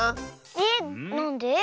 えっなんで？